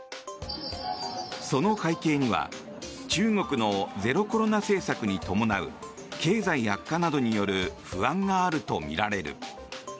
その背景には中国のゼロコロナ政策に伴う経済悪化などによる不安があるとみられる。